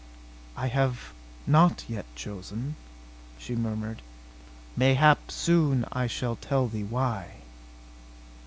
"I have not yet chosen," she murmured. "Mayhap soon I shall tell thee why."